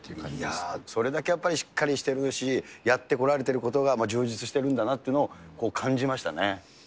いやー、それだけやっぱりしっかりしてるし、やってこられてることが充実してるんだなっていうのを感じましたね。